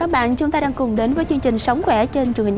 bệnh viện trong công tác phòng chống dịch và khám chữa bệnh